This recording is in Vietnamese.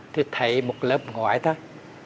thì thấy một lớp ngõi thôi